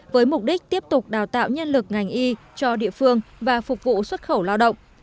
với mục đích tiếp tục đào tạo nhân lực ngành y cho địa phương và phục vụ xuất khẩu lao động